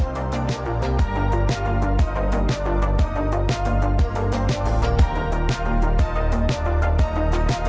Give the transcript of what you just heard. โปรดติดตามตอนต่อไป